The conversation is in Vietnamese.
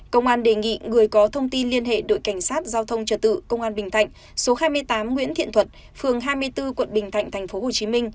công an đề nghị người có thông tin liên hệ đội cảnh sát giao thông trật tự công an bình thạnh số hai mươi tám nguyễn thiện thuật phường hai mươi bốn quận bình thạnh tp hcm